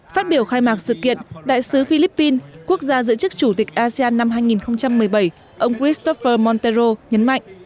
phát biểu khai mạc sự kiện đại sứ philippines quốc gia giữ chức chủ tịch asean năm hai nghìn một mươi bảy ông christopher montero nhấn mạnh